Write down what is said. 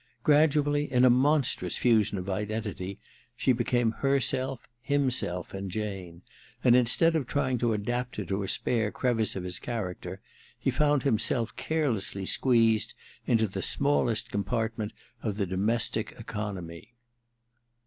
Gradually, in a monstrous fusion of identity, she 176 THE MISSION OF JANE ni became herself, himself and Jane ; and instead of trying to adapt her to a spare crevice of his character, he found himself carelessly squeezed into the smallest compartment of the domestic economy.